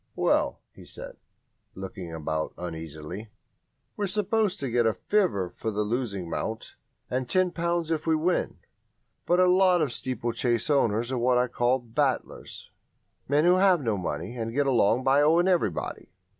"Well," he said, looking about uneasily, "we're supposed to get a fiver for a losing mount and ten pounds if we win, but a lot of the steeplechase owners are what I call 'battlers' men who have no money and get along by owing everybody.